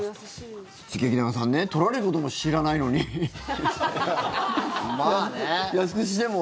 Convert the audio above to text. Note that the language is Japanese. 劇団さんね取られることも知らないのに安くしても。